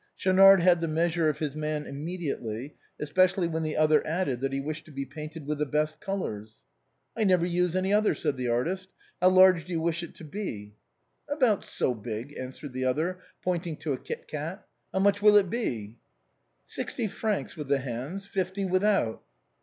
Schaunard had the measure of his man immediately, especially when the other added that he wished to be painted with the l)est colors. " I never use any other," said the artist. " How large do you wish it to be ?"" About so big," answered the other, pointing to a kit cat. " How much will it be ?"" Sixty francs with the hands, fifty without."